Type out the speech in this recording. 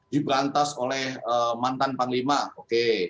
diberantas oleh mantan panglima oke